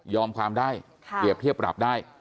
ความได้เปรียบเทียบปรับได้